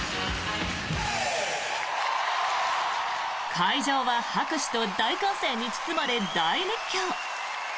会場は拍手と大歓声に包まれ大熱狂。